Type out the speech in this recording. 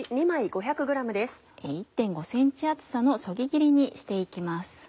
１．５ｃｍ厚さのそぎ切りにして行きます。